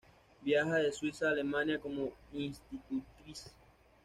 Viaja de Suiza a Alemania como institutriz.